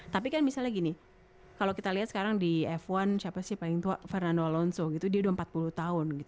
tapi kan misalnya gini kalau kita lihat sekarang di f satu siapa sih paling tua fernando alonso gitu dia udah empat puluh tahun gitu